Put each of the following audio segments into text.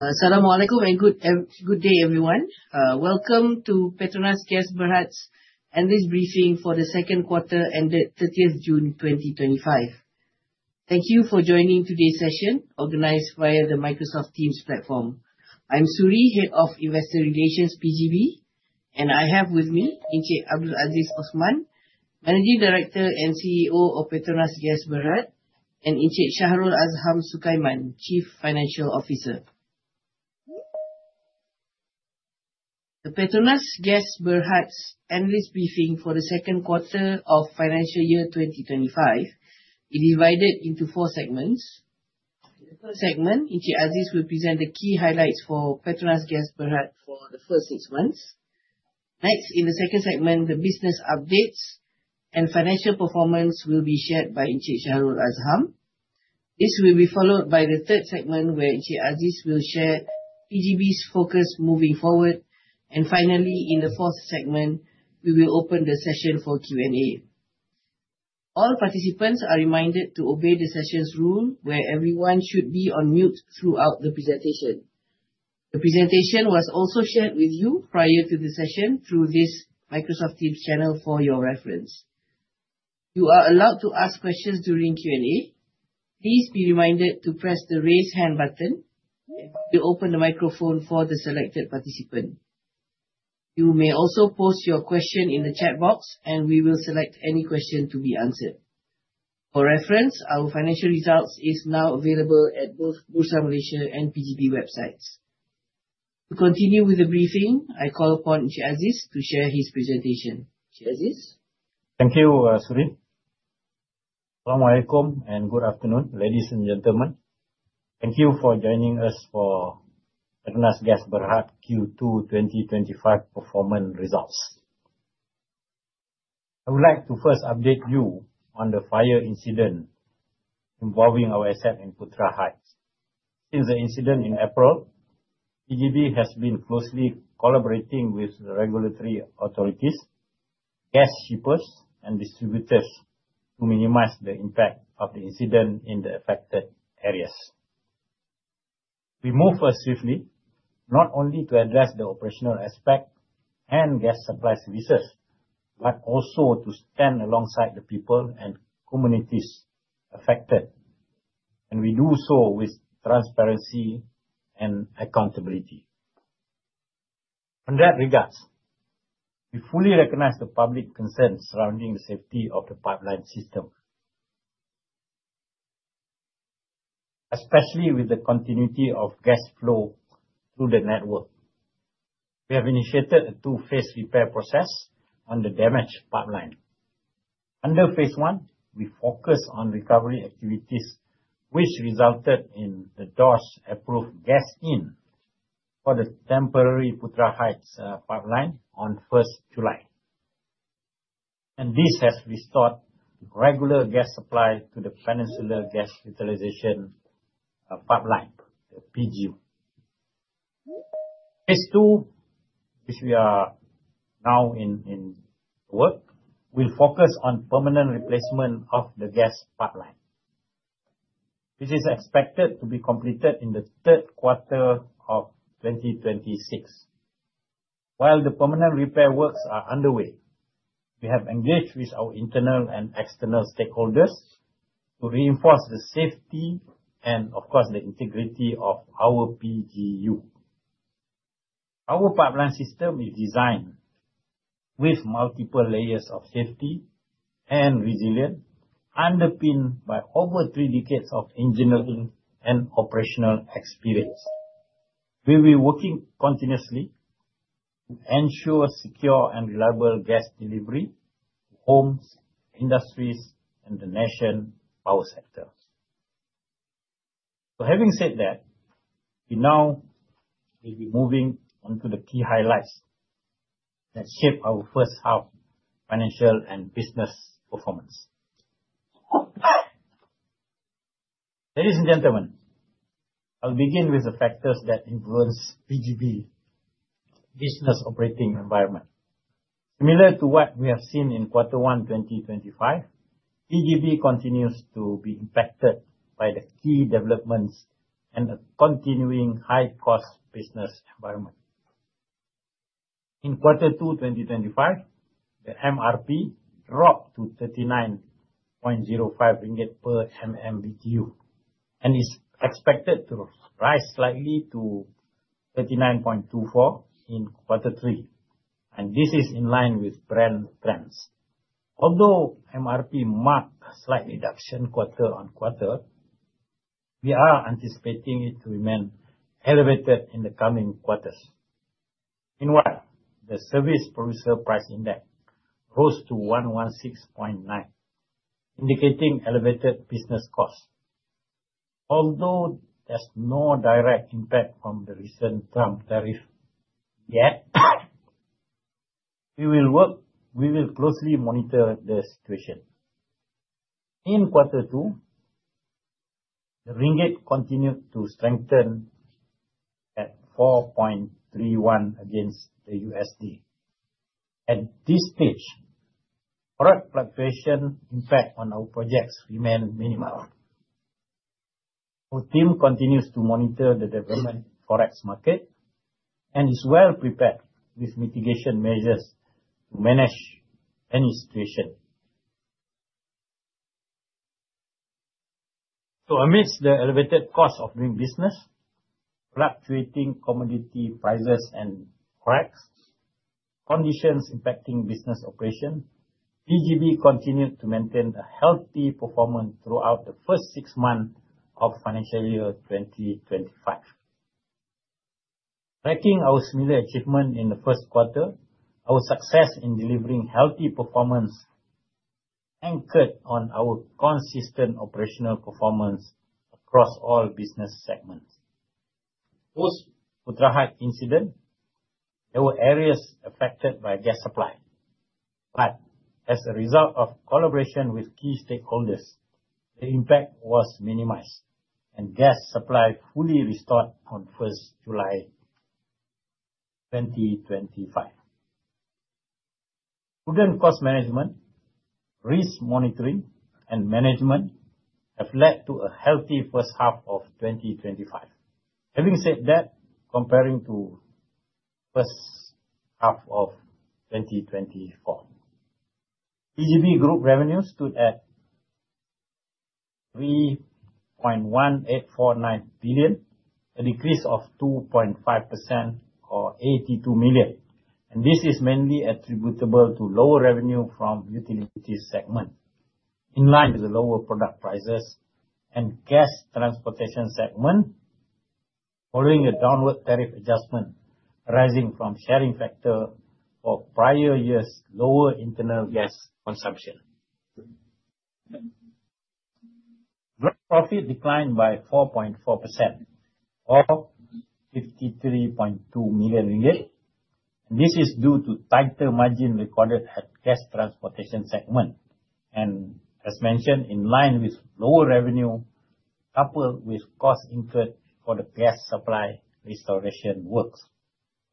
Assalamu alaikum and good day everyone. Welcome to Petronas Kesperat's Analyst Briefing for the Second Quarter Ended thirtieth June twenty twenty five. Thank you for joining today's session organized via the Microsoft Teams platform. I'm Suri, Head of Investor Relations PGB, and I have with me Inchek Abdul Adiz Osman, Managing Director and CEO of Petronas Ges Barad and Incheid Shaharul Azham Sukayman, Chief Financial Officer. The Petronas Ghaz Berhat's analyst briefing for the 2025 It divided into four segments. The first segment, Inche Aziz will present the key highlights for Petronas Gasperat for the first six months. Next, in the second segment, the business updates and financial performance will be shared by Incheid Shahruar Azham. This will be followed by the third segment where Incheid Aziz will share PGB's focus moving forward. And finally, in the fourth segment, we will open the session for Q and A. All participants are reminded to obey the session's rule where everyone should be on mute throughout the presentation. The presentation was also shared with you prior to the session through this Microsoft Teams channel for your reference. You are allowed to ask questions during Q and A. Please be reminded to press the raise hand button to open the microphone for the selected participant. You may also post your question in the chat box, and we will select any question to be answered. For reference, our financial results is now available at both Bursa Malaysia and PGB websites. To continue with the briefing, I call upon Che Aziz to share his presentation. Che Aziz? Thank you, Soren. Alhamdulillah alaikom, and good afternoon, ladies and gentlemen. Thank you for joining us for Agnes Gasperhard Q2 twenty twenty five performance results. I would like to first update you on the fire incident involving our asset in Putra Heights. Since the incident in April, PGB has been closely collaborating with the regulatory authorities, gas shippers and distributors to minimize the impact of the incident in the affected areas. We move first swiftly, not only to address the operational aspect and gas supply services, but also to stand alongside the people and communities affected, and we do so with transparency and accountability. In that regards, we fully recognize the public concerns surrounding the safety of the pipeline system, Especially with the continuity of gas flow through the network, we have initiated a two phase repair process on the damaged pipeline. Under Phase one, we focus on recovery activities, which resulted in the DOS approved gas in for the temporary Putra Heights pipeline on first July. And this has restored regular gas supply to the Peninsular Gas Utilization Pipeline, PGO. Phase two, which we are now in work, will focus on permanent replacement of the gas pipeline. This is expected to be completed in the 2026. While the permanent repair works are underway, we have engaged with our internal and external stakeholders to reinforce the safety and of course the integrity of our PGU. Our pipeline system is designed with multiple layers of safety and resilience underpinned by over three decades of engineering and operational experience. We'll be working continuously to ensure secure and reliable gas delivery, homes, industries and the nation power sector. So having said that, we now will be moving on to the key highlights that shape our first half financial and business performance. Ladies and gentlemen, I'll begin with the factors that influence PGB business operating environment. Similar to what we have seen in quarter one twenty twenty five, PGB continues to be impacted by the key developments and a continuing high cost business environment. In quarter two twenty twenty five, the MRP dropped to RM39.05 per MMBtu and is expected to rise slightly to RM39.24 in quarter three and this is in line with Brent trends. Although MRP marked slight reduction quarter on quarter, we are anticipating it to remain elevated in the coming quarters. Meanwhile, the Service Provincial Price Index rose to 116.9, indicating elevated business costs. Although there's no direct impact from the recent Trump tariff yet, we closely monitor the situation. In quarter two, Ringgit continued to strengthen at RM4.31 against the USD. At this stage, product fluctuation impact on our projects remain minimal. Our team continues to monitor the development ForEx market and is well prepared with mitigation measures to manage administration. So amidst the elevated cost of doing business, fluctuating commodity prices and cracks, conditions impacting business operation, PGB continued to maintain a healthy performance throughout the first six months of financial year 2025. Racking our similar achievement in the first quarter, our success in delivering healthy performance anchored on our consistent operational performance across all business segments. Post Uttarahat incident, there were areas affected by gas supply. But as a result of collaboration with key stakeholders, the impact was minimized and gas supply fully restored on first July twenty twenty five. Prudent cost management, risk monitoring and management have led to a healthy 2025. Having said that, comparing to 2024. PGP Group revenues stood at billion, a decrease of 2.5% or million and this is mainly attributable to lower revenue from Utilities segment, in line with the lower product prices and gas transportation segment, following a downward tariff adjustment arising from sharing factor of prior year's lower internal gas consumption. Gross profit declined by 4.4% or million dollars This is due to tighter margin recorded at Gas Transportation segment and as mentioned in line with lower revenue coupled with costs incurred for the gas supply restoration works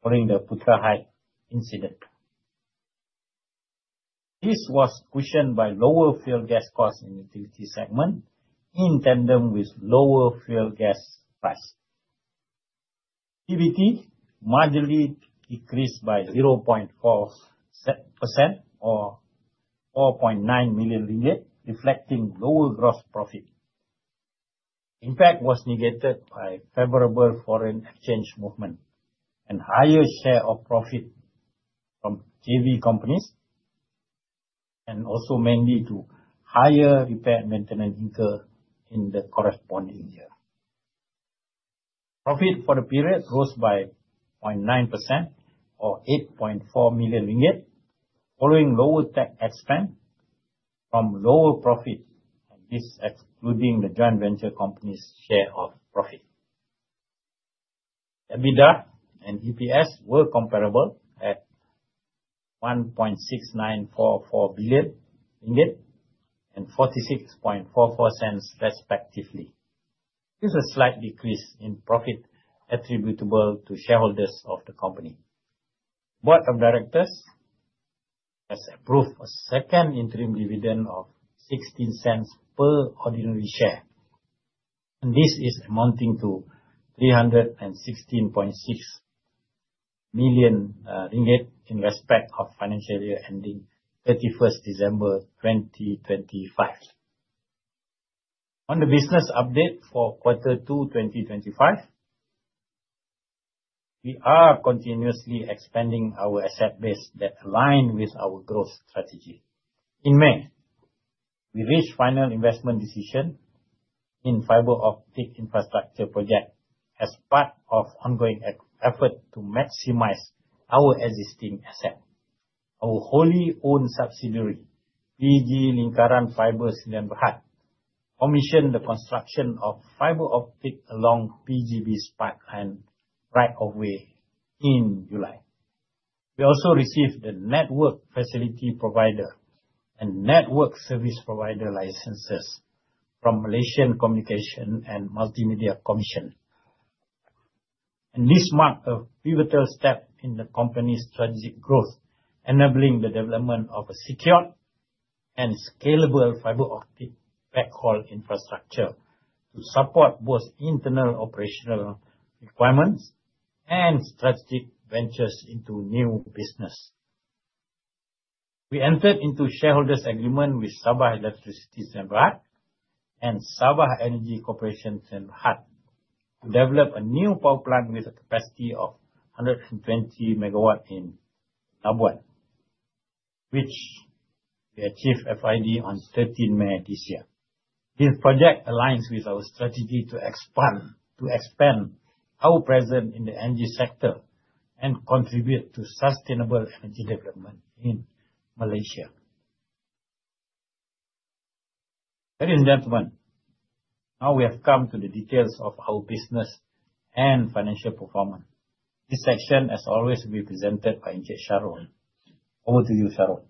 during the Putra High incident. This was cushioned by lower fuel gas cost in utility segment in tandem with lower fuel gas price. TBT marginally decreased by 0.4% or million dollars reflecting lower gross profit. Impact was negated by favorable foreign exchange movement and higher share of profit from JV companies and also mainly to higher repair and maintenance incurred in the corresponding year. Profit for the period rose by 0.9% or million following lower tax expense from lower profit and this excluding the joint venture company's share of profit. EBITDA and EPS were comparable at 1,694,400,000.0000 and NIS 46.44 respectively. This is a slight decrease in profit attributable to shareholders of the company. Board of Directors has approved a second interim dividend of RM0.16 per ordinary share and this is amounting to RM316.6 million in respect of financial year ending thirty first December twenty twenty five. On the business update for quarter two twenty twenty five, we are continuously expanding our asset base that align with our growth strategy. In May, we reached final investment decision in fibre optic infrastructure project as part of ongoing effort to maximize our existing asset. Our wholly owned subsidiary PG Lingaran Fibers in Lembahat commissioned the construction of fiber optic along PGB Sparkline right of way in July. We also received the network facility provider and network service provider licenses from Malaysian Communication and Multimedia Commission. And this marked a pivotal step in the company's strategic growth, enabling the development of a secured and scalable fibre optic backhaul infrastructure to support both internal operational requirements and strategic ventures into new business. We entered into shareholders agreement with Sabah Electricity Semblad and Sabah Energy Corporation Semblad to develop a new power plant with a capacity of 120 megawatt in Naboan, which we achieved FID on May. This project aligns with our strategy to expand our presence in the energy sector and contribute to sustainable energy development in Malaysia. Ladies and gentlemen, now we have come to the details of our business and financial performance. This section as always will be presented by NJ Charron. Over to you Charron.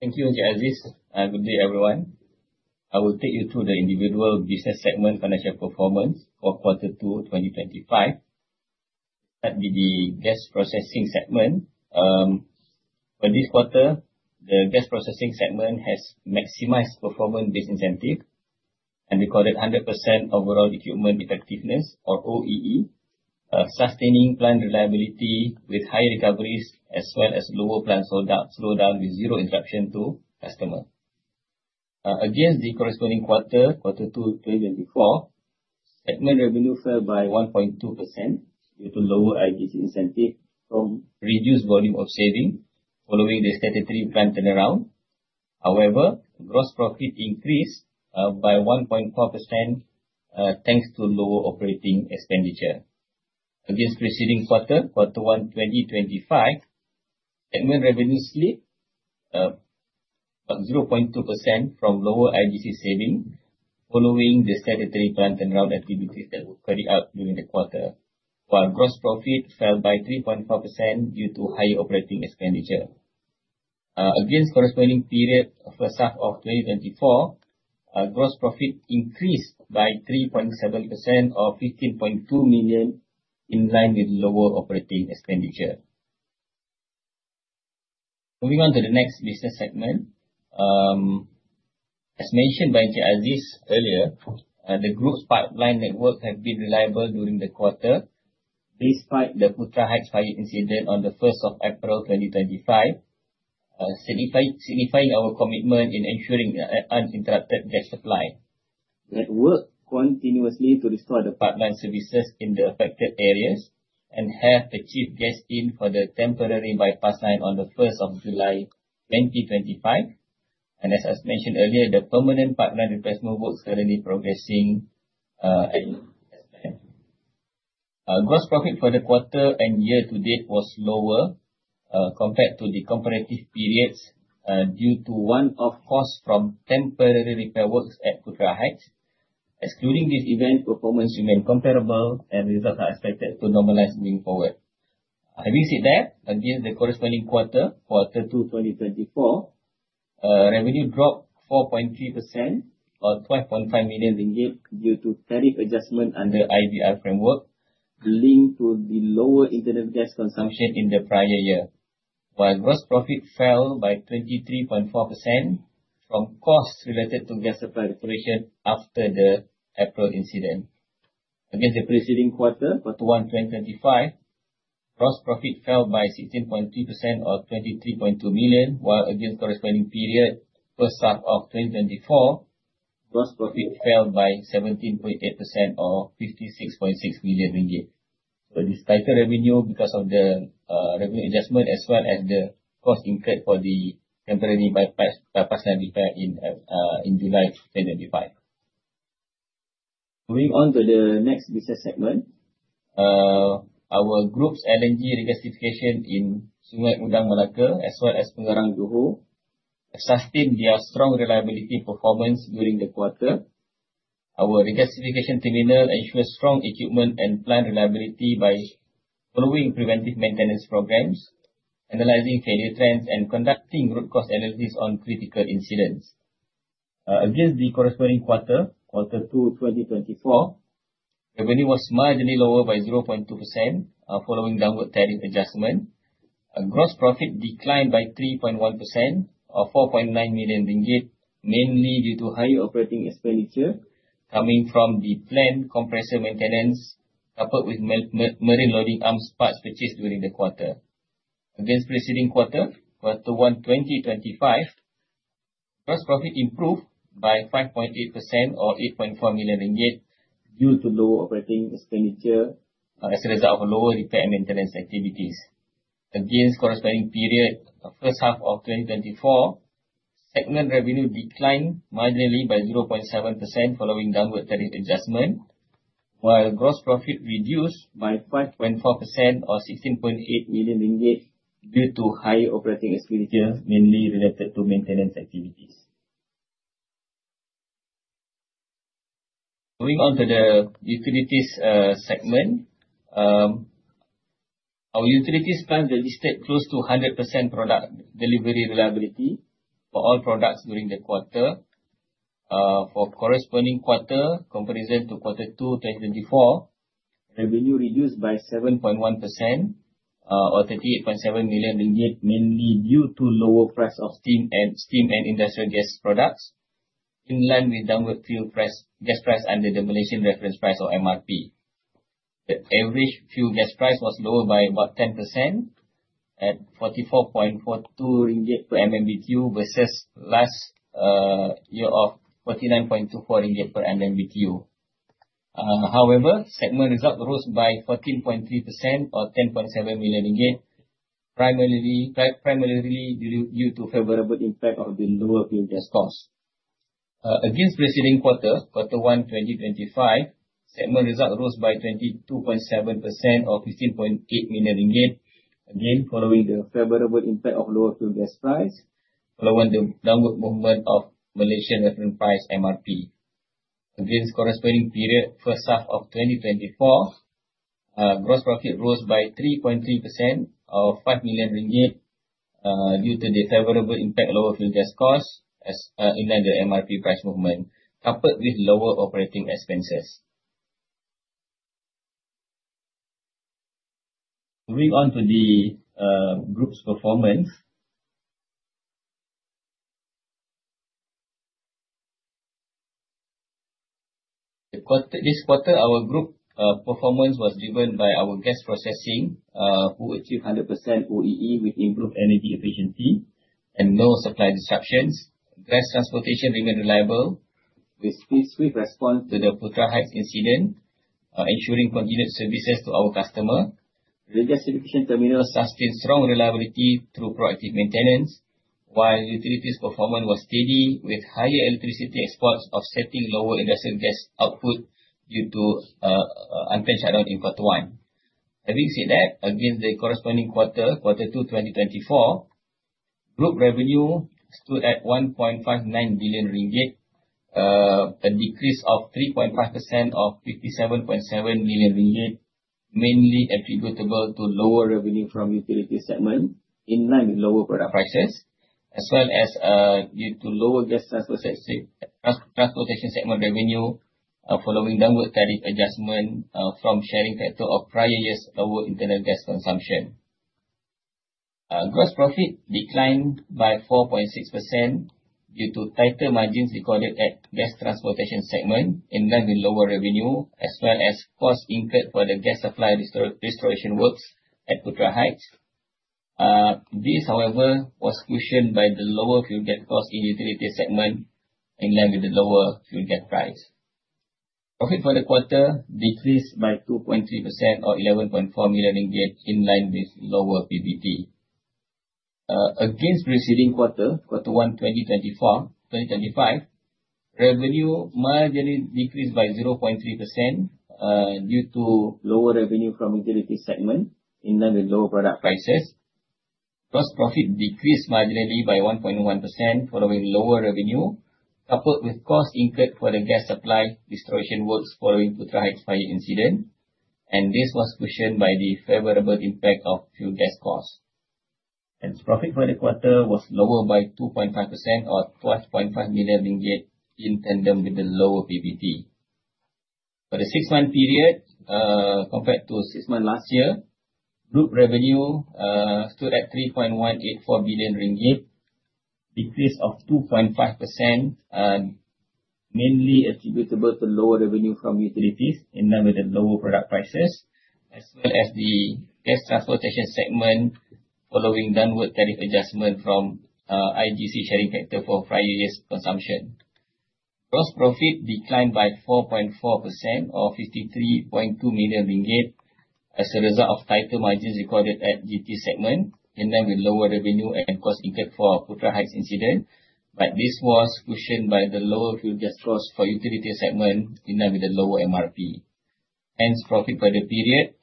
Thank you, J. Aziz and good day everyone. I will take you through the individual business segment financial performance for quarter two twenty twenty five. That will be the Gas Processing segment. For this quarter, the Gas Processing segment has maximized performance based incentive and recorded 100% overall equipment effectiveness or OEE, sustaining plant reliability with high recoveries as well as global plant slowdown with zero interruption to customer. Against the corresponding quarter, quarter two twenty twenty four, segment revenue fell by 1.2% due to lower ITC incentive from reduced volume of saving following the statutory plan turnaround. However, gross profit increased by 1.4% thanks to lower operating expenditure. Against preceding quarter, quarter one twenty twenty five, admin revenue slipped 0.2% from lower IGC saving following the statutory plant turnaround activities that were carried out during the quarter, while gross profit fell by 3.4% due to higher operating expenditure. Against corresponding period of 2024, gross profit increased by 3.7% or 15,200,000.0 in line with lower operating expenditure. Moving on to the next business segment, as mentioned by Mr. Alis earlier, the group's pipeline network have been reliable during the quarter, despite the Putra Heights Fire Incident on the 04/01/2025, signify signifying our commitment in ensuring uninterrupted gas supply. We work continuously to restore the pipeline services in the affected areas and have the chief guest in for the temporary bypass line on the 07/01/2025. And as I mentioned earlier, the permanent pipeline replacement works currently progressing. Gross profit for the quarter and year to date was lower compared to the comparative periods due to one off costs from temporary repair works at Kutra Heights. Excluding this event performance remain comparable and results are expected to normalize moving forward. Having said that, again the corresponding quarter, quarter two twenty twenty four Revenue dropped 4.3% or R12.5 million dollars due to tariff adjustment under IVR framework linked to the lower Internet gas consumption in the prior year. While gross profit fell by 23.4 from costs related to gas supply operation after the April incident. Against the preceding quarter for 2025, gross profit fell by 16.3% or RM23.2 million while against corresponding period 2024 gross profit fell by 17.8 or RM56.6 million. So this tighter revenue because of the revenue adjustment as well as the cost incurred for the temporary bypass levita in July 2025. Moving on to the next business segment, our group's LNG regasification in Sungai Mugang, Malacca as well as Pungarang Guru sustained their strong reliability performance during the quarter. Our regasification terminal ensures strong equipment and plant reliability by following preventive maintenance programs, analyzing failure trends, and conducting root cause analysis on critical incidents. Against the corresponding quarter, quarter two twenty twenty four, revenue was marginally lower by 0.2 following downward tariff adjustment. Gross profit declined by 3.1% or R4.9 million mainly due to high operating expenditure coming from the planned compressor maintenance apart with marine loading arms parts purchased during the quarter. Against preceding quarter, quarter one, twenty twenty five gross profit improved by 5.8% or million due to low operating expenditure as a result of lower repair and maintenance activities. Against corresponding period of 2024, segment revenue declined marginally by 0.7% following downward tariff adjustment, while gross profit reduced by 5.4 or R16.8 million dollars due to high operating expenditure mainly related to maintenance activities. Moving on to the Utilities segment, our Utilities plant that is close to 100% product delivery reliability for all products during the quarter. For corresponding quarter comparison to quarter two twenty twenty four, revenue reduced by 7.1% or 38,700,000.0 mainly due to lower price of steam and industrial gas products in line with downward fuel price gas price and the demolition reference price or MRP. The average fuel gas price was lower by about 10% at 44.42 ringgit per MMBtu versus last year of RM49.24 per MMBtu. However, segment result rose by 14.3% or RM10.7 million primarily due to favorable impact of the lower fuel gas cost. Against preceding quarter, quarter one twenty twenty five, segment result rose by 22.7% or million, again following the favorable impact of lower fuel gas price, following the downward movement of Malaysian reference price MRP. Against corresponding period 2024, gross profit rose by 3.3% or million due to the favorable impact lower fuel gas costs in line with MRP price movement coupled with lower operating expenses. Moving on to the group's performance. This quarter, our group performance was driven by our guest processing who achieved 100% OEE with improved energy efficiency and no supply disruptions. Gas transportation remained reliable with speed speed response to the Plural heights incident ensuring continued services to our customer. The gasification terminal sustained strong reliability through proactive maintenance while utilities performance was steady with higher electricity exports offsetting lower industrial gas output due to unplanned shutdown in quarter one. Having said that against the corresponding quarter, quarter two twenty twenty four, Group revenue stood at RM1.59 billion, a decrease of 3.5% of R57.7 million mainly attributable to lower revenue from utility segment in line with lower product prices as well as due to lower gas transportation segment revenue following downward tariff adjustment from sharing factor of prior years' lower internal gas consumption. Gross profit declined by 4.6% due to tighter margins recorded at Gas Transportation segment in line with lower revenue as well as cost incurred for the gas supply restoration works at Putra Heights. This however was cushioned by the lower fuel gas cost in utility segment in line with the lower fuel gas price. Profit for the quarter decreased by 2.3% or R11.4 million in line with lower PBT. Against preceding quarter, quarter one twenty twenty five revenue marginally decreased by 0.3% due to lower revenue from utility segment in line with lower product prices. Gross profit decreased marginally by 1.1% following lower revenue coupled with cost incurred for the gas supply restoration works following Puthra Heights fire incident and this was cushioned by the favorable impact of fuel gas costs. Hence profit for the quarter was lower by 2.5% or NIS12.5 million in tandem with the lower PBT. For the six month period compared to six month last year, group revenue stood at RM3.184 billion, decrease of 2.5 and mainly attributable to lower revenue from utilities in line with the lower product prices as well as the gas transportation segment following downward tariff adjustment from IGC sharing factor for prior year's consumption. Gross profit declined by 4.4% or million as a result of tighter margins recorded at GT segment in them with lower revenue and cost incurred for Putra Heights incident. But this was cushioned by the lower fuel gas cost for utility segment in them with a lower MRP. Hence, profit for the period.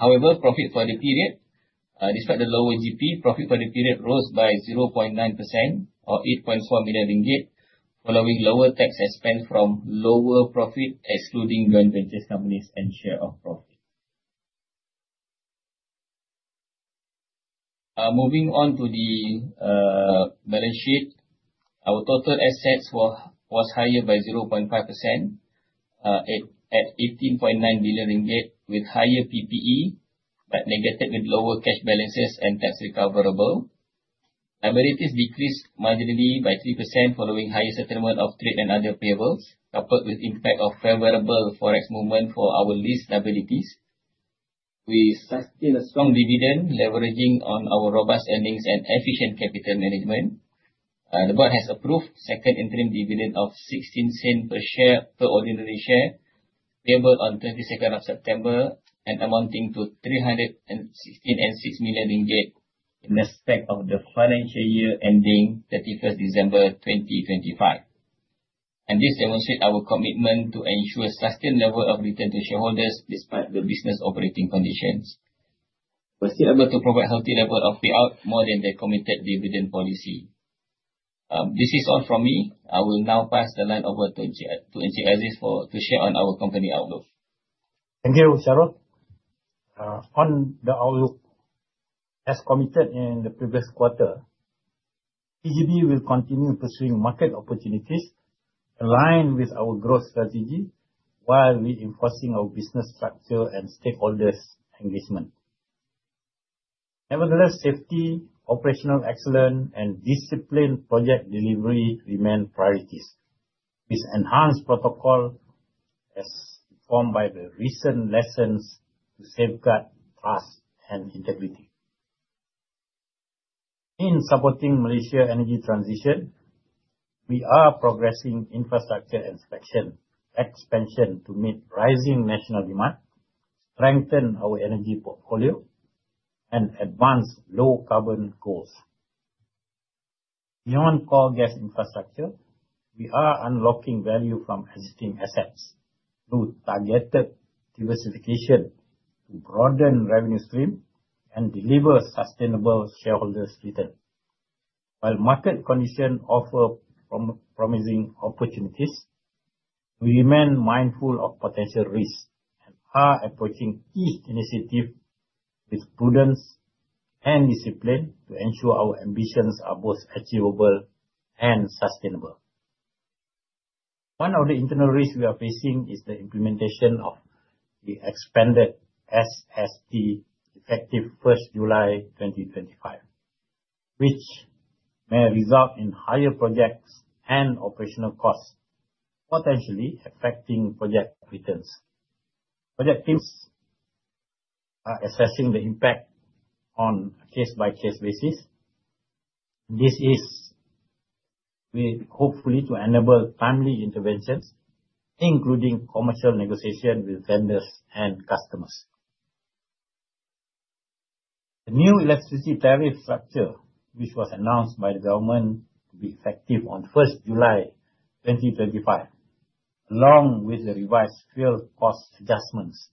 However, profit for the period, despite the lower GP, profit for the period rose by 0.9% or R8.4 million dollars lower tax expense from lower profit excluding joint ventures companies and share of profit. Moving on to the balance sheet, our total assets was higher by 0.5% at billion with higher PPE but negated with lower cash balances and tax recoverable. Liberties decreased marginally by 3% following higher settlement of trade and other payables coupled with impact of favorable forex movement for our lease liabilities. We sustain a strong dividend leveraging on our robust earnings and efficient capital management. The Board has approved second interim dividend of C0.16 dollars per share per ordinary share payable on September 22 and amounting to 3 and 16,600,000.0 in respect of the financial year ending thirty first December twenty twenty five. And this demonstrate our commitment to ensure a sustained level of return to shareholders despite the business operating conditions. We're still able to provide healthy level of payout more than their committed dividend policy. This is all from me. I will now pass the line over to NJ Agis to share on our company outlook. Thank you, Gerald. On the outlook, as committed in the previous quarter, PGB will continue pursuing market opportunities aligned with our growth strategy while reinforcing our business structure and stakeholders engagement. Nevertheless, safety, operational excellence and disciplined project delivery remain priorities. This enhanced protocol as formed by the recent lessons to safeguard trust and integrity. In supporting Malaysia energy transition, we are progressing infrastructure inspection expansion to meet rising national demand, strengthen our energy portfolio and advance low carbon goals. Beyond coal gas infrastructure, we are unlocking value from existing assets through targeted diversification to broaden revenue stream and deliver sustainable shareholders return. While market conditions offer promising opportunities, we remain mindful of potential risks and are approaching key initiatives with prudence and discipline to ensure our ambitions are both achievable and sustainable. One of the internal risks we are facing is the implementation of the expanded SST effective first July twenty twenty five, which may result in higher projects and operational costs potentially affecting project returns. Project teams are assessing the impact on case by case basis. This is hopefully to enable timely interventions including commercial negotiation with vendors and customers. The new electricity tariff structure which was announced by the government to be effective on first July twenty twenty five along with the revised fuel cost adjustments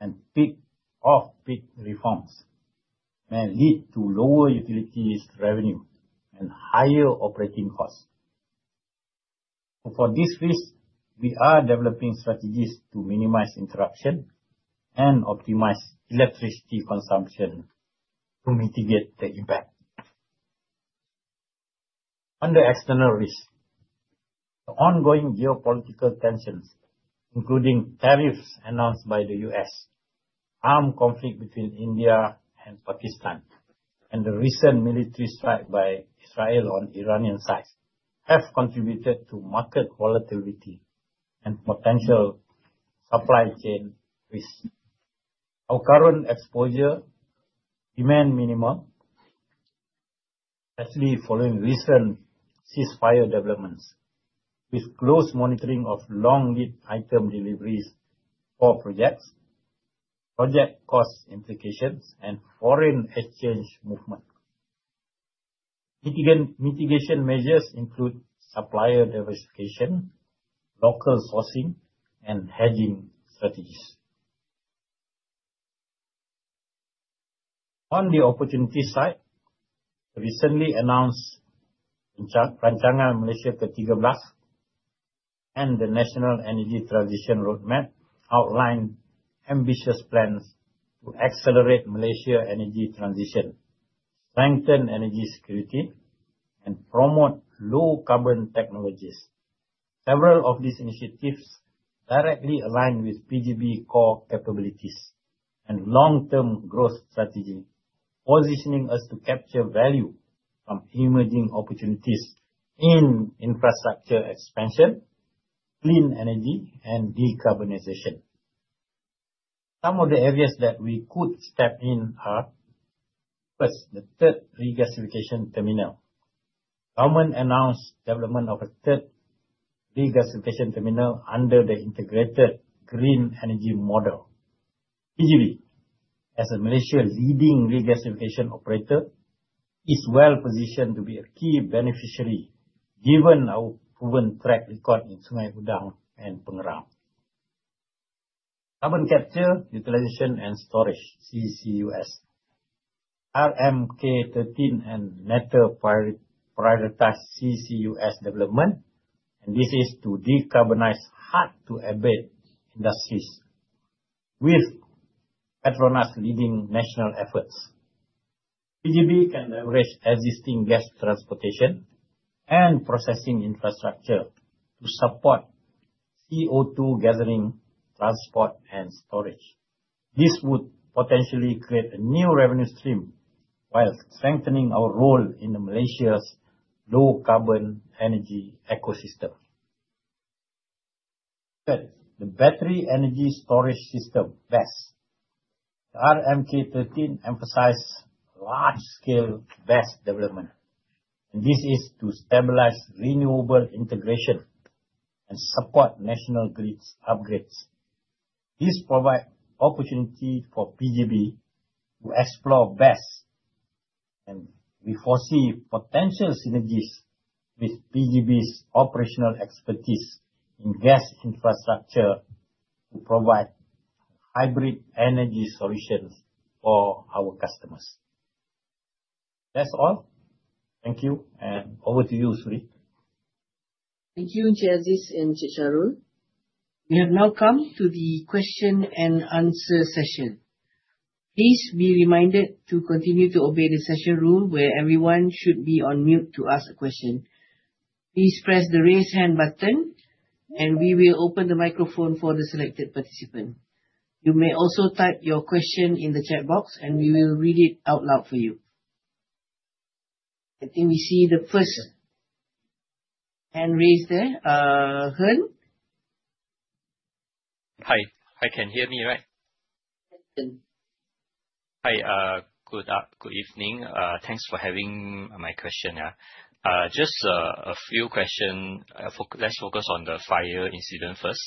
and peak off peak reforms may lead to lower utilities revenue and higher operating costs. For this risk, we are developing strategies to minimize interruption and optimize electricity consumption to mitigate the impact. Under External Risk, the ongoing geopolitical tensions including tariffs announced by The US, armed conflict between India and Pakistan and the recent military strike by Israel on Iranian sites have contributed to market volatility and potential supply chain risk. Our current exposure demand minimum, especially following recent cease fire developments with close monitoring of long lead item deliveries for projects, project cost implications and foreign exchange movement. Mitigation measures include supplier diversification, local sourcing and hedging strategies. On the opportunity side, recently announced Panchangar Malaysia Ketiga blast and the National Energy Transition Roadmap outline ambitious plans to accelerate Malaysia energy transition, strengthen energy security and promote low carbon technologies. Several of these initiatives directly align with PGB core capabilities and long term growth strategy positioning us to capture value from emerging opportunities in infrastructure expansion, clean energy and decarbonization. Some of the areas that we could step in are first the third regasification terminal. Government announced development of a third regasification terminal under the integrated green energy model PGB, as a Malaysia leading regasification operator, is well positioned to be a key beneficiary given our proven track record in Sungai Gudang and Punggurang. Carbon capture, utilization and storage CCUS. RMK-thirteen and NATO prioritized CCUS development and this is to decarbonize hard to abate industries with Petronas leading national efforts. PGB can leverage existing gas transportation and processing infrastructure to support CO2 gathering, transport and storage. This would potentially create a new revenue stream while strengthening our role in Malaysia's low carbon energy ecosystem. Third, the battery energy storage system BEST. RMK-thirteen emphasizes large scale BEST development and this is to stabilize renewable integration and support national grid upgrades. This provide opportunity for PGB to explore best and we foresee potential synergies with PGB's operational expertise in gas infrastructure to provide hybrid energy solutions for our customers. That's all. Thank you and over to you, Sury. Thank you, Chair Zees and Chair Sharul. We have now come to the question and answer session. Please be reminded to continue to obey the session rule where everyone should be on mute to ask a question. Please press the raise hand button and we will open the microphone for the selected participant. You may also type your question in the chat box and we will read it out loud for you. I think we see the first hand raised there. Heng? Hi. Can you hear me, right? Hi. Good evening. Thanks for having my question. Just a few question. Let's focus on the fire incident first.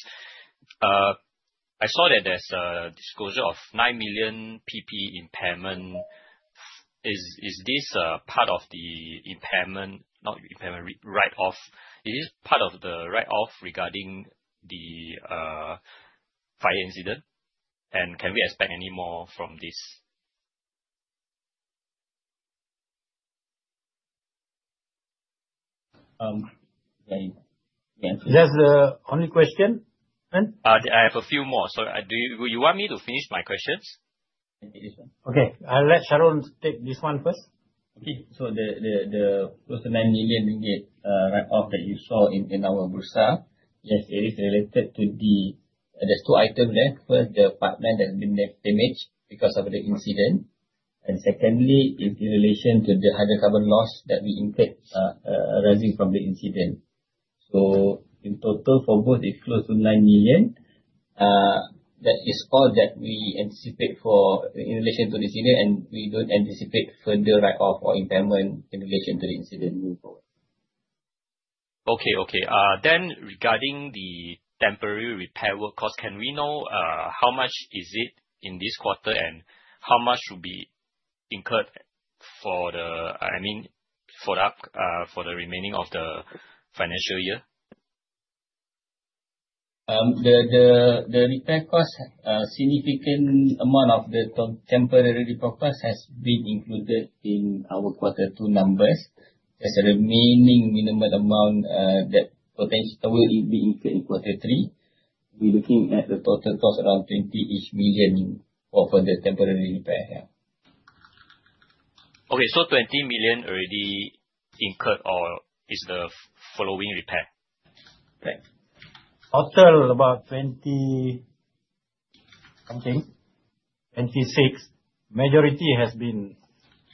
I saw that there's disclosure of 9,000,000 PP impairment. Is this part of the impairment not impairment, write off? Is this part of the write off regarding the fire incident? And can we expect any more from this? The only question, man? I have a few more. So do you want me to finish my questions? Okay. I'll let Sharon take this one first. So the the 9,000,000 ringgit write off that you saw in in our Bursa, yes, it is related to the there's two items left. First, the apartment has been damaged because of the incident. And secondly, it's in relation to the hydrocarbon loss that we impact arising from the incident. So in total, for both, it's close to 9,000,000. That is all that we anticipate for in relation to the incident, and we don't anticipate further write off or impairment in relation to the incident move forward. Okay. Okay. Then regarding the temporary repair work cost, can we know how much is it in this quarter? And how much will be incurred for the I mean, for the remaining of the financial year? The repair cost, significant amount of the temporary repurpose has been included in our quarter two numbers. As a remaining minimum amount that potentially will be incurred in Q3, we're looking at the total cost around 20 ish million for the temporary repair here. Okay. So 20,000,000 already incurred or is the following repair? Right. After about 20, I think, '26, majority has been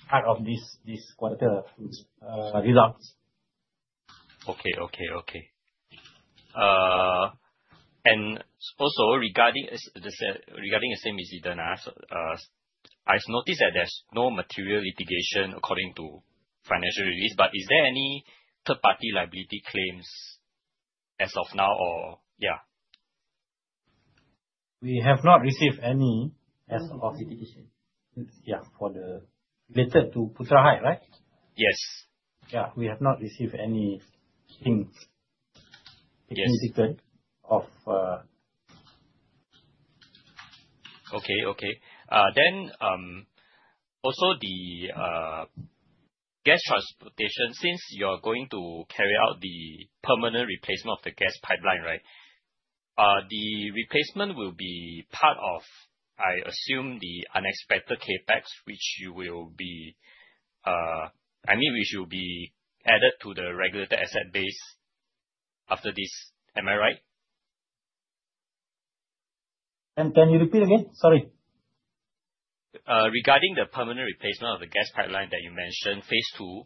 part of this quarter results. Okay. Okay. Okay. Also regarding the same as it is, I've noticed that there's no material litigation according to financial release, but is there any third party liability claims as of now or yes. We have not received any as of the litigation. Yes. For the related to Pusarahai, right? Yes. Yeah. We have not received any things. Yes. Of Okay. Okay. Then also the gas transportation, since you're going to carry out the permanent replacement of the gas pipeline, The replacement will be part of, I assume, the unexpected CapEx, which you will be I mean, which will be added to the regulatory asset base after this, am I right? And can you repeat again? Sorry. Regarding the permanent replacement of the gas pipeline that you mentioned, Phase two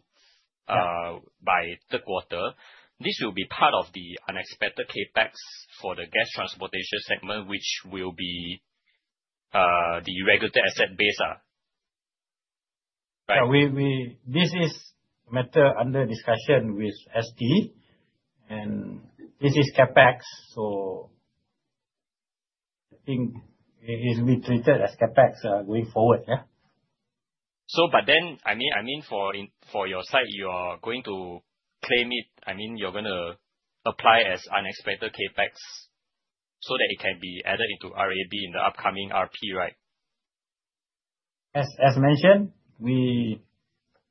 by third quarter, this will be part of the unexpected CapEx for the gas transportation segment, which will be the irregular asset base? This is matter under discussion with ST and this is CapEx. So I think it is be treated as CapEx going forward. Yeah. So but then I mean I mean for in for your side, you are going to claim it. I mean, you're gonna apply as unexpected CapEx so that it can be added into RAB in the upcoming RP, right? As mentioned, we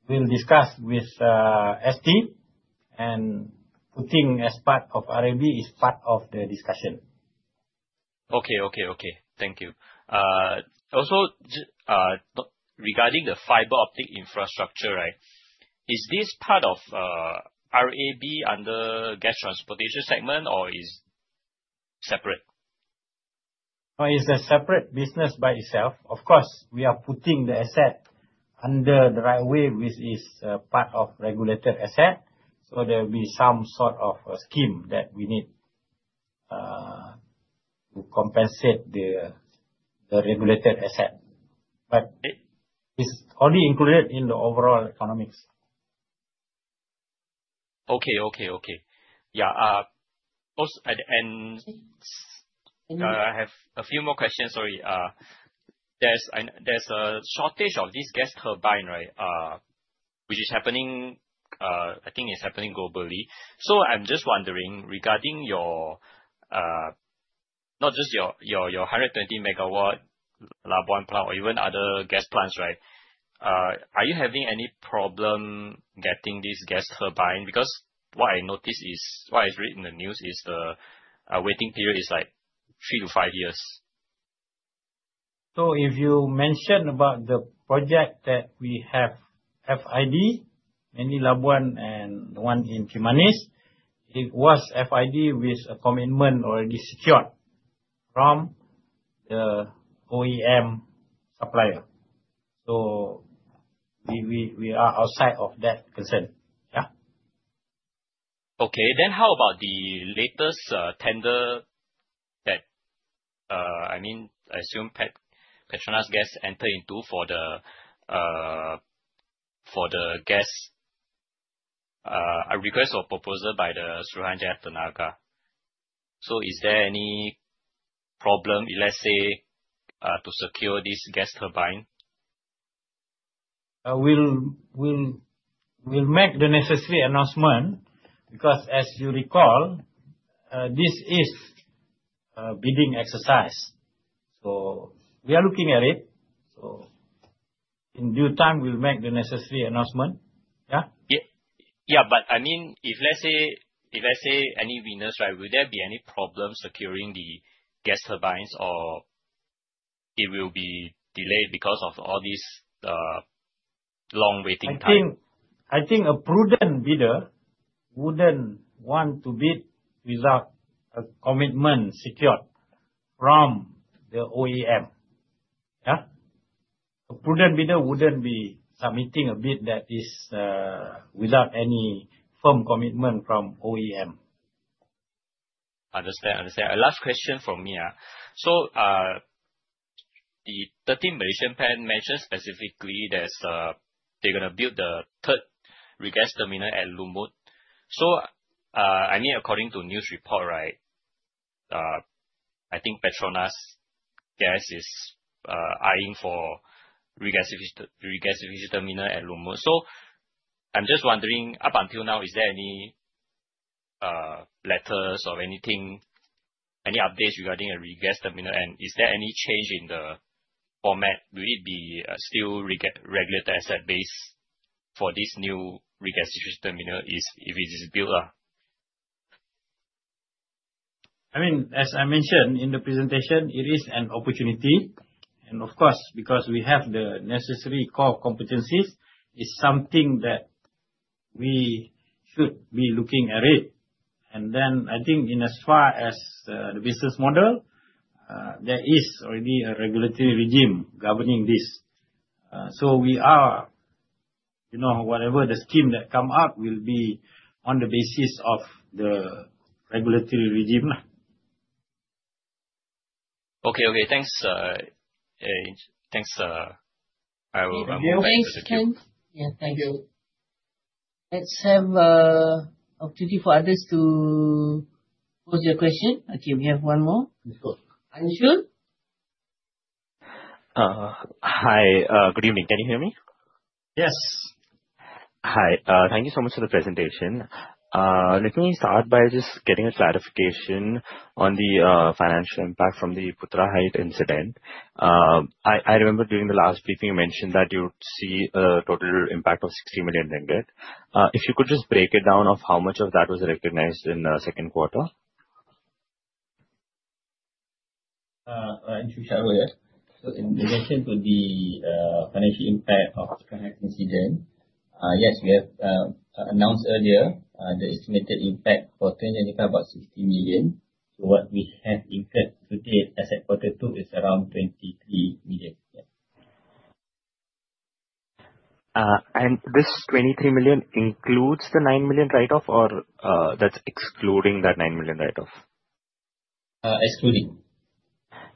will discuss with ST and putting as part of RAB is part of the discussion. Okay, okay, okay. Thank you. Also regarding the fiber optic infrastructure, is this part of RAB under Gas Transportation segment or is separate? It's a separate business by itself. Of course, we are putting the asset under the right way, which is part of regulated asset. So there'll be some sort of a scheme that we need to compensate the regulated asset. But it's only included in the overall economics. Okay, okay, okay. Yes. And I have a few more questions, sorry. There's a shortage of this gas turbine, right, which is happening I think it's happening globally. So I'm just wondering regarding your not just your your your 120 megawatt Labuan plant or even other gas plants, right? Are you having any problem getting this gas turbine? Because what I noticed is what I read in the news is the waiting period is, like, three to five years. So if you mentioned about the project that we have FID, mainly Labuan and the one in Timanis, it was FID with a commitment already secured from the OEM supplier. So we are outside of that concern. Yeah. Okay. Then how about the latest tender that I mean I assume Petronas guest enter into for the guest request of proposal by the Suryahnjanath Tanaka. So is there any REPRESENTATIVE:] problem, let's say, to secure this gas We'll make the necessary announcement because as you recall, this is bidding exercise. So we are looking at it. So in due time, we'll make the necessary announcement. Yeah. But I mean, if let's say let's say any winners, will there be any problem securing the gas turbines or it will be delayed because of all these long waiting I think a prudent bidder wouldn't want to bid without a commitment secured from the OEM. A prudent bidder wouldn't be submitting a bid that is without any firm commitment from OEM. Understand. Last question from me. 13 mentioned specifically that they're going to build the third regas terminal at Lummot. So, I mean, to news report, I think Petronas gas is, eyeing for regas terminal at Lummood. So I'm just wondering up until now is there any, letters or anything, any updates regarding Regas terminal? And is there any change in the format? Will it be still regulated asset base for this new reconstituted terminal if it is built? I mean, as I mentioned in the presentation, it is an opportunity. And of course, because we have the necessary core competencies is something that we should be looking at it. And then I think in as far as the business model, there is already a regulatory regime governing this. So we are whatever the scheme that come up will be on the basis of the regulatory regime. Okay. Thanks. Will run more by the Thank you. Let's have a opportunity for others to pose your question. Okay. We have one more. Anshul? Hi. Good evening. Can you hear me? Yes. Hi. Thank you so much for the presentation. Let me start by just getting a clarification on the financial impact from the Putra Height incident. I remember during the last briefing, you mentioned that you would see a total impact of R60 million dollars If you could just break it down of how much of that was recognized in second quarter? So in relation to the financial impact of current accident season, yes, we have announced earlier the estimated impact for 2025 about million. So what we have incurred today as a quarter two is around AUD 23,000,000. This 23,000,000 includes the 9,000,000 write off or that's excluding that 9,000,000 write off? Excluding. Excluding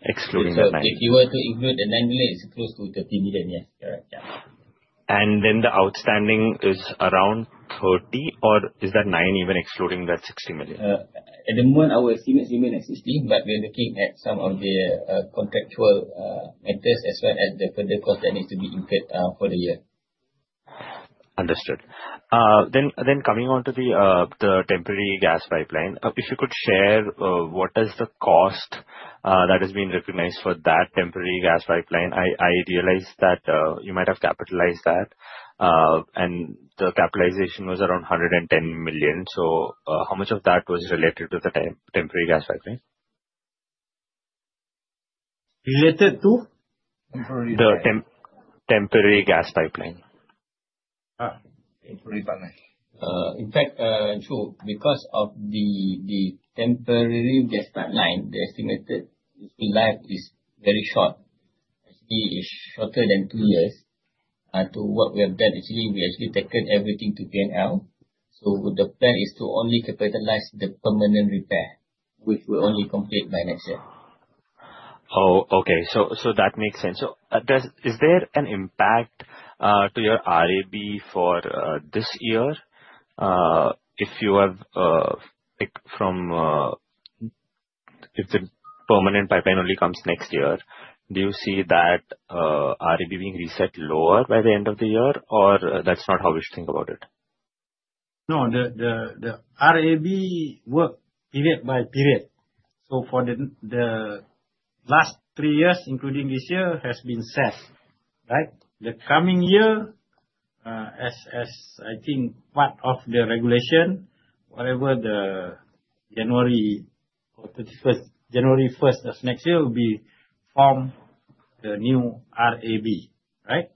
the if you were to include the 9,000,000, it's close to 30,000,000, yes. Correct. Yes. And then the outstanding is around 30,000,000 or is that 9,000,000 even excluding that 60,000,000? At the moment, our Siemens remain at 60,000,000 but we are looking at some of the contractual interest as well as the further cost that needs to be incurred for the year. Understood. Then coming on to the temporary gas pipeline, if you could share what is the cost that has been recognized for that temporary gas pipeline? I realize that you might have capitalized that, and the capitalization was around $110,000,000 So how much of that was related to the temporary gas pipeline? Related to? Temporary gas pipeline. In fact, so because of the the temporary gas pipeline, the estimated life is very short. It is shorter than two years And to what we have done, actually, we actually taken everything to P and L. So the plan is to only capitalize the permanent repair, which will only complete by next year. Oh, okay. So so that makes sense. So does is there an impact to your RAB for this year? If you have picked from if the permanent pipeline only comes next year, do you see that RAB being reset lower by the end of the year? Or that's not how we should think about it? No. The RAB work period by period. So for the last three years, including this year, has been set, right. The coming year as I think part of the regulation whatever the January 31 January 1 will be from the new RAB right.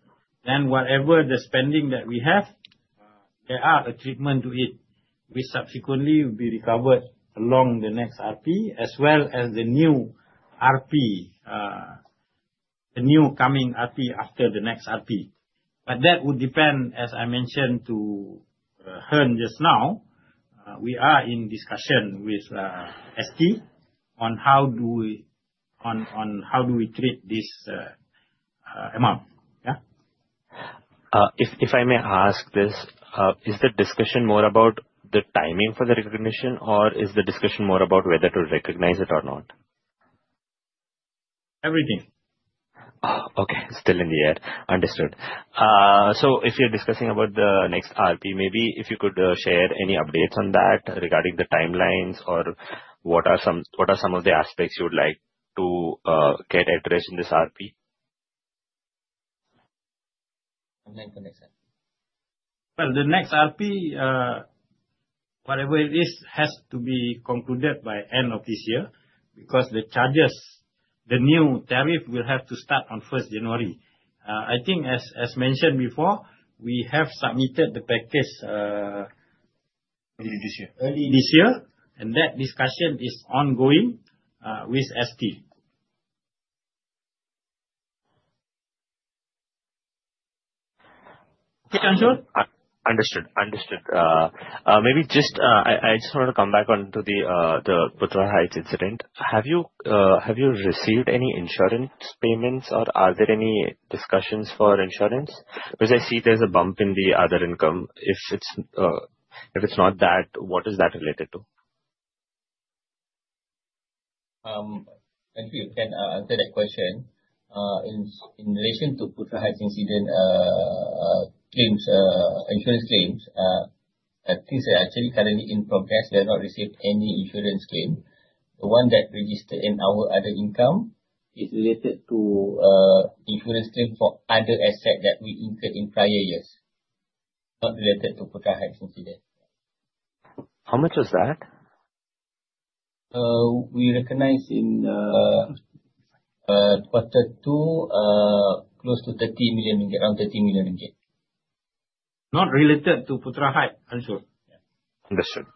Then whatever the spending that we have, there are a treatment to it. We subsequently will be recovered along the next RP as well as the new the new coming RP, RP after the next RP. But that would depend as I mentioned to Hearn just now, we are in discussion with ST on how do we treat this amount, yes? If I may ask this, is the discussion more about the timing for the recognition or is the discussion more about whether to recognize it or not? Everything. Oh, okay. Still in the air. Understood. So if you're discussing about the next RP, maybe if you could share any updates on that regarding the time lines or what are some what are some of the aspects you would like to get addressed in this RP? Well, UNIDENTIFIED the next RP, whatever it is, has to be concluded by end of this year because the charges the new tariff will have to start on first January. I think as mentioned before, we have submitted the package early year and that discussion is ongoing with ST. Understood. Understood. Maybe just I I just wanted to come back on to the the Puthra Heights incident. Have you have you received any insurance payments, or are there any discussions for insurance? Because I see there's a bump in the other income. If it's if it's not that, what is that related to? Thank you. You can answer that question. In in relation to put a high incidence claims insurance claims, at least they're actually currently in progress. They have not received any insurance claim. The one that registered in our other income is related to insurance claim for other asset that we incurred in prior years, not related to Prokai High School today. How much is that? We recognize in quarter two, close to 30,000,000 in around 30,000,000 in gate. Not related to Putrahyde, I'm sure. Yeah. Understood.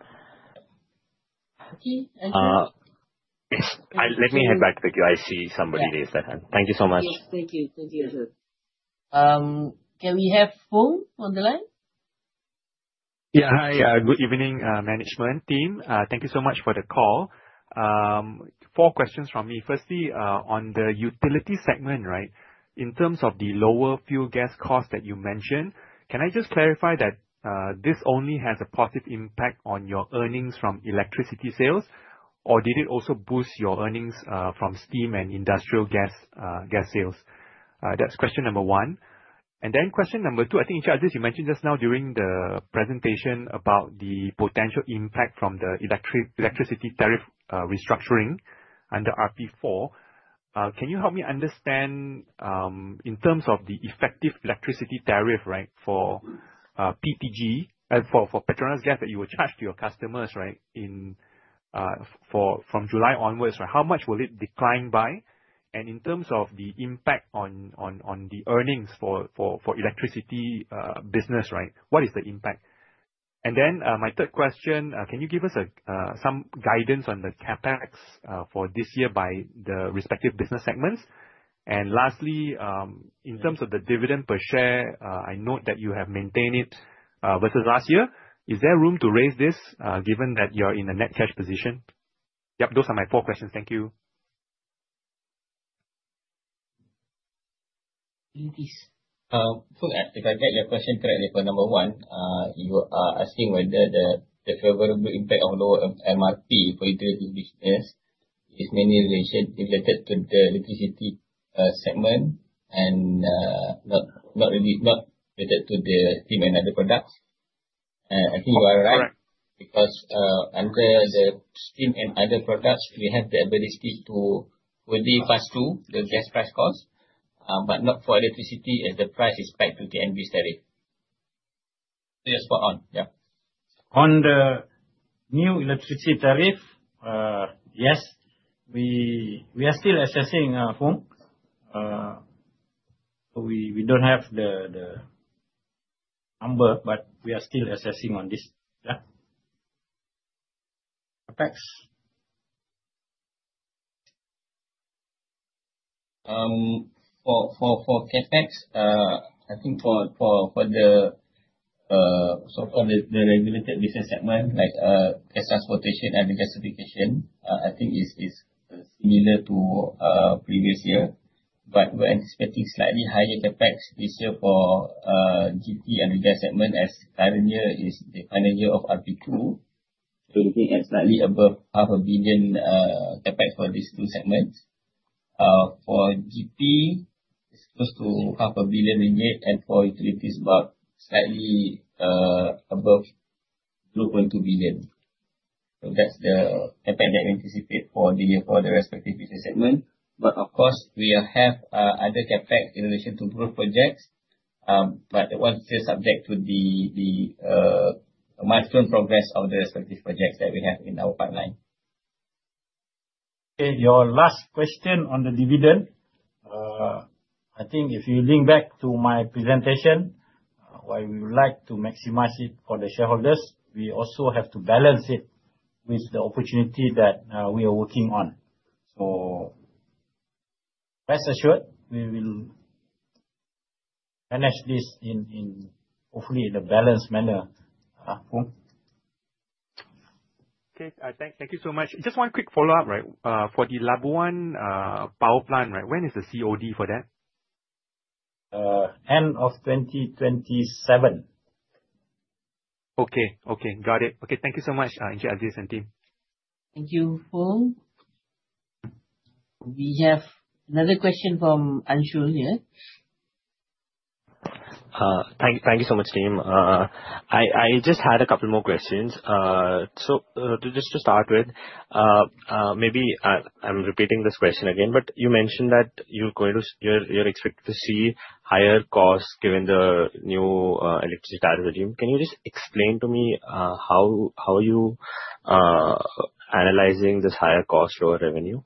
Okay, Andrew? Yes. Me head back to the queue. I see somebody Thank raised their you so much. Yes. Thank you. Thank you, Andrew. Can we have Phu on the line? Yes. Hi. Good evening, management team. Thank you so much for the call. Four questions from me. Firstly, on the utility segment, right, in terms of the lower fuel gas costs that you mentioned, can I just clarify that this only has a positive impact on your earnings from electricity sales? Or did it also boost your earnings from steam and industrial gas sales? That's question number one. And then question number two, think, Insha'adis, you mentioned just now during the presentation about the potential impact from the electricity tariff restructuring under RP4. Can you help me understand in terms of the effective electricity tariff, right, for PTG and for Petronas Gas that you will charge to your customers, right, in for from July onwards, right, how much will it decline by? And in terms of the impact on the earnings for electricity business, what is the impact? And then my third question, can you give us some guidance on the CapEx for this year by the respective business segments? And lastly, in terms of the dividend per share, I note that you have maintained it versus last year. Is there room to raise this given that you're in a net cash position? Yeah, Those are my four questions. Thank you. So if I get your question correctly, number one, you are asking whether the favorable impact on lower MRP for integrated business is mainly related related to the electricity segment and not not really not related to the team and other products. Think you are right because under the steam and other products, we have the ability to will be passed through the gas price cost, but not for electricity as the price is back to the NBS tariff. Yes. For on. Yeah. On the new electricity tariff, yes, we are still assessing home. We don't have the number, but we are still assessing on this. CapEx? For CapEx, I think for the so called the regulated business segment like gas transportation and the gasification, I think is similar to previous year. But we're expecting slightly higher CapEx this year for GT and the gas segment as current year is the final year of RP2. So looking at slightly above half a billion CapEx for these two segments. For GP, it's close to half a billion ringgit and for utility fees above slightly above 2,200,000,000.0. So that's the pandemic anticipate for the for the respective business segment. But of course, we have other CapEx in relation to group projects. But once they are subject to the milestone progress of the respective projects that we have in our pipeline. And your last question on the dividend. I think if you link back to my presentation, why we would like to maximize it for the shareholders, we also have to balance it with the opportunity that we are working on. So rest assured, we will manage this in hopefully in a balanced manner, Poon. Okay. Thank you so much. Just one quick follow-up, For the Labuan Power Plant, right, when is the COD for that? 2027. Okay. Okay. Got it. Okay. Thank you so much, Ajay, Adhes and team. Thank you, Phong. We have another question from Anshul here. Thank you so much, team. I just had a couple more questions. So just to start with, maybe I'm repeating this question again, but you mentioned that you're going to you're expecting to see higher costs given the new electricity tariff regime. Can you just explain to me how you analyzing this higher cost or revenue?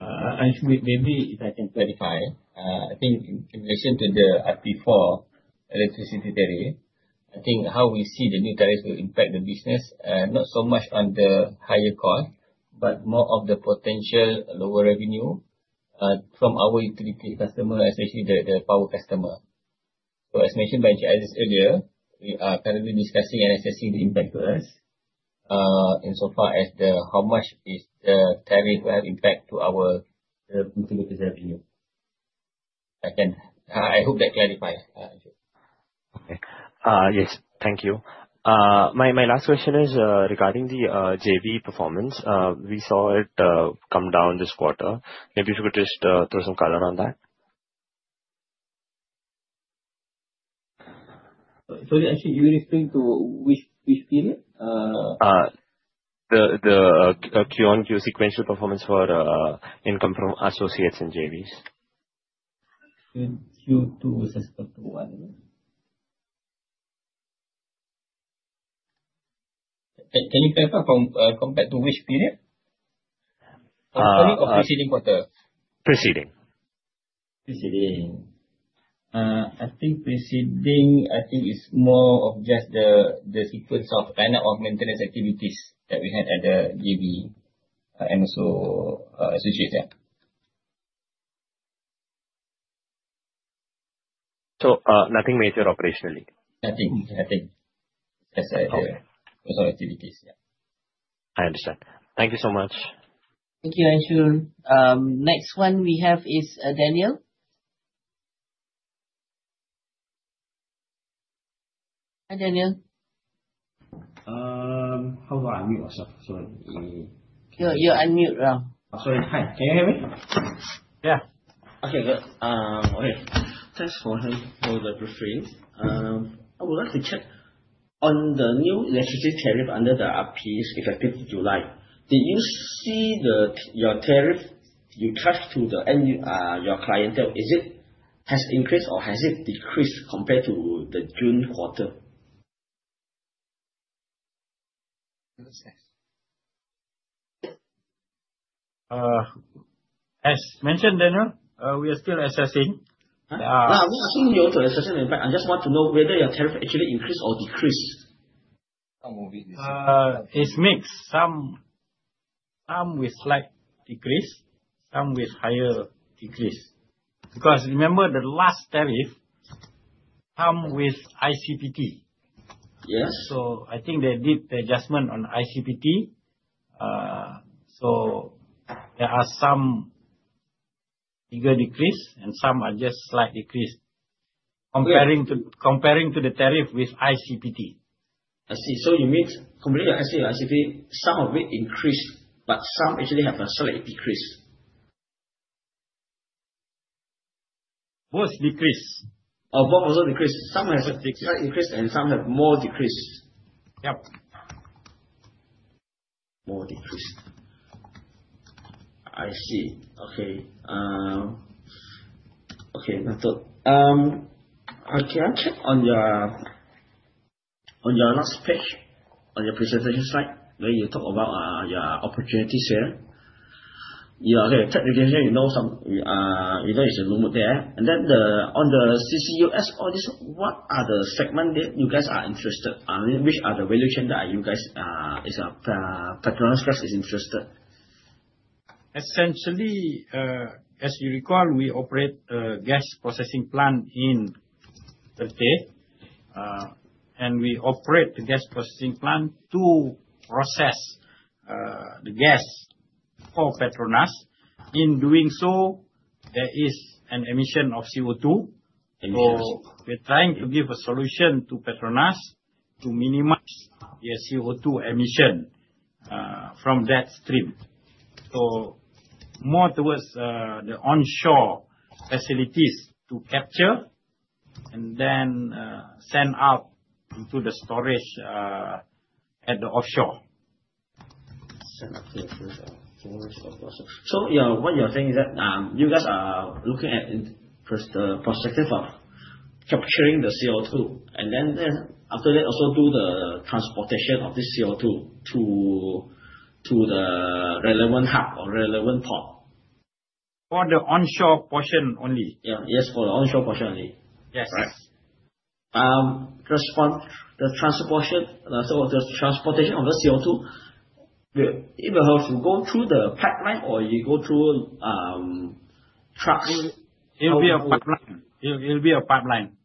Aish, maybe if I can clarify. I think in relation to the RP4 electricity theory, I think how we see the new tariffs will impact the business and not so much on the higher cost, but more of the potential lower revenue from our utility customer, especially the power customer. So as mentioned by GIS earlier, we are currently discussing and assessing the impact to us. And so far as the how much is the tariff impact to our utility of this revenue. I hope that clarifies. Yes. Thank you. My last question is regarding the JV performance. We saw it come down this quarter. Maybe if you could just throw some color on that? Sorry, actually, you're referring to which period? The Q on Q sequential performance for income from associates and JVs. In Q2 versus Q1. You clarify from compared to which period? Or preceding quarter? Preceding. Preceding. I think preceding, I think, more of just the the sequence of kind of maintenance activities that we had at the GB and also associated. So nothing major operationally? Nothing. I think that's a Okay. Those are activities. Yeah. I understand. Thank you so much. Thank you, Ayushul. Next one we have is Daniel. Hi, Daniel. How do I unmute myself? Sorry. You're you're on mute now. Sorry. Hi. Can you hear me? Yeah. Okay. Good. Okay. Thanks for the briefing. I would like to check on the new electricity tariff under the RPs effective July. Did you see the your tariff you charged to the end your clientele, is it has increased or has it decreased compared to the June? As mentioned, Daniel, we are still assessing. I'm just asking you to assess it. I just want to know whether your tariff actually increased or decreased. It's mixed. Some with slight decrease, some with higher decrease. Because remember the last tariff come with ICPT. Yes. So I think they did the adjustment on ICPT. So there are some bigger decrease and some are just slight decrease comparing to the tariff with ICPT. I see. So you mean, compared to ICPT, some of it increased, but some actually have a slight decrease. What's decrease? Both also decrease. Some has a slight increase and some have more decrease. Yep. More decrease. I see. Okay. Okay. I thought okay. I checked on your your last page on your presentation slide, where you talk about your opportunities here. Yeah. Technically, you know some you know, it's a rumor there. And then the on the CCUS, all this what are the segment that you guys are interested? I mean, which are the value chain that are you guys is a Petronas Grass is interested? Essentially, as you recall, we operate a gas processing plant in 30. And we operate the gas processing plant to process the gas for Petronas. In doing so, there is an emission of CO2 emissions. We're trying to give a solution to Petronas to minimize the CO2 emission from that stream. So more towards the onshore facilities to capture and then send out into the storage at the offshore. So what you're saying is that you guys are looking at first the perspective of capturing the CO2. And then after that, also do the transportation of the CO2 to the relevant hub or relevant part. For the onshore portion only? Yes. For the onshore portion only. Yes. Right. The transport transportion, so the transportation of the CO2, it will have to go through the pipeline or you go through trucks? It will be a pipeline.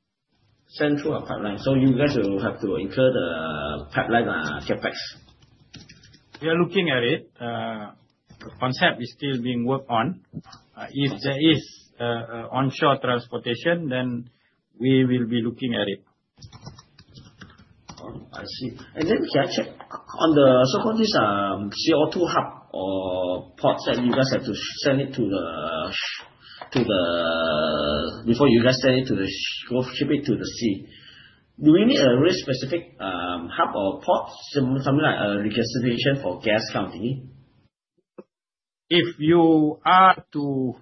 Central pipeline. So you guys will have to incur the pipeline CapEx? We are looking at it. The concept is still being worked on. If there is onshore transportation, then we will be looking at it. Oh, I see. And then can I check on the so called this CO 2 hub or ports that you guys have to send it to the to the before you guys send it to the go ship it to the sea? Do we need a risk specific hub or ports? Some some like a registration for gas company? If you are to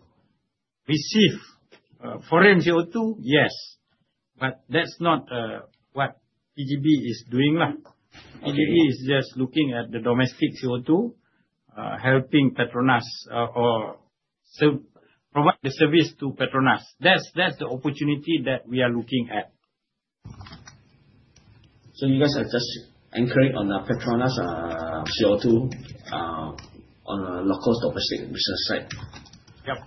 receive foreign CO two, yes. But that's not what PGB is doing. PGB is just looking at the domestic CO two helping Petronas or provide the service to Petronas. That's that's the opportunity that we are looking at. So you guys are just anchoring on the Petronas CO2 on local domestic business side. Yep.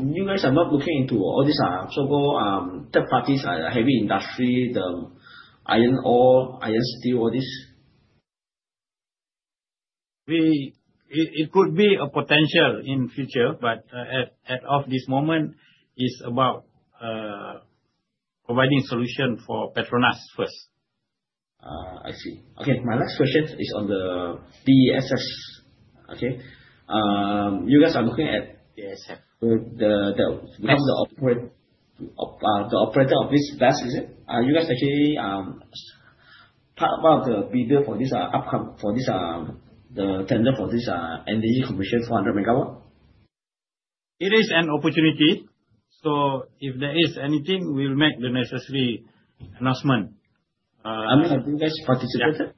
You guys are not looking into all these so called third parties, heavy industry, the iron ore, iron steel, all these? We it it could be a potential in future, but at at of this moment, it's about providing solution for Petronas first. I see. Okay. My last question is on the DESS. Okay. You guys are looking at Yes, sir. The the become the operate the operator of this bus, is it? Are you guys actually part about the bidder for this upcoming for this the tender for this NDG commission, 100 megawatt? It is an opportunity. So if there is anything, we'll make the necessary announcement. Amit, have you guys participated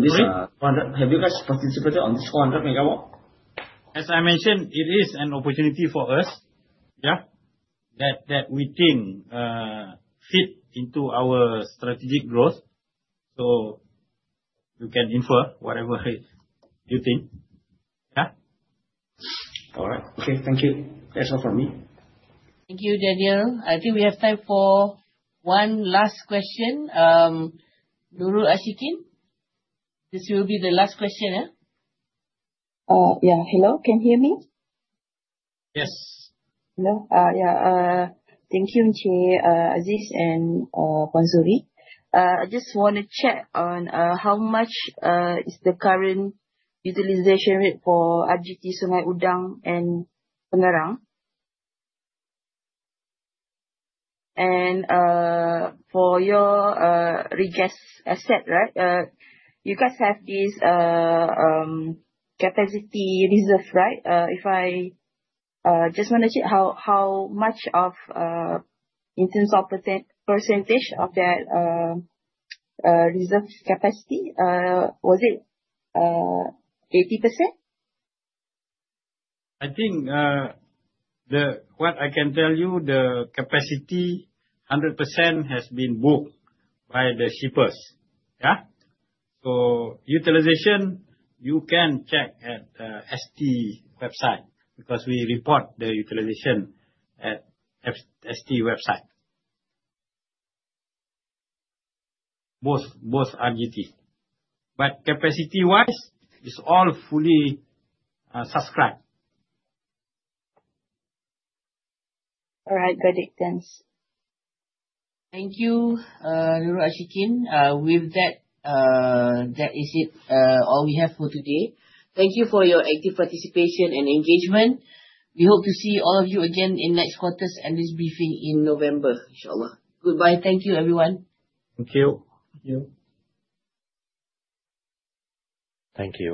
this As 100 I mentioned, it is an opportunity for us, yes, that we think fit into our strategic growth. So you can infer whatever you think, yes. All right. Okay. Thank you. That's all from me. Thank you, Daniel. I think we have time for one last question. Nurul Ashikin, this will be the last question. Yes. Hello, can you hear me? Yes. Hello? Yeah. Thank you, mister Aziz and. I just wanna check on how much is the current utilization rate for RGT, Sonae, Udang, and Punggarrang? And for your regas asset, right, you guys have this capacity reserve. Right? If I just want to check how much of in terms of percentage of that reserve capacity, was it 80%? I think what I can tell you the capacity 100% has been booked by the shippers. Utilization you can check at ST website because we report the utilization at ST website. Both RGT but capacity wise it's all fully subscribed. All right. Got it. Thanks. Thank you, Leroy Ashikin. With that, that is it all we have for today. Thank you for your active participation and engagement. We hope to see all of you again in next quarter's analyst briefing in November. InshaAllah. Goodbye. Thank you everyone. Thank you. Thank you.